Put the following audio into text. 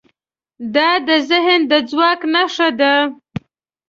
دا د ذهن د ځواک نښه ده.